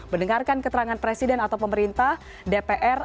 mendengarkan keterangan presiden atau pemerintah dpr